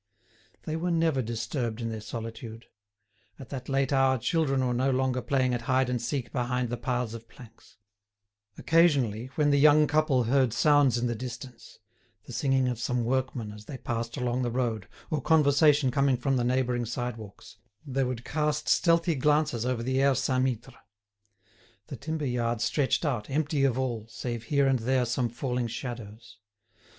They were never disturbed in their solitude. At that late hour children were no longer playing at hide and seek behind the piles of planks. Occasionally, when the young couple heard sounds in the distance—the singing of some workmen as they passed along the road, or conversation coming from the neighbouring sidewalks—they would cast stealthy glances over the Aire Saint Mittre. The timber yard stretched out, empty of all, save here and there some falling shadows.